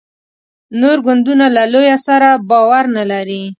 نور ګوندونه له لویه سره باور نه لري.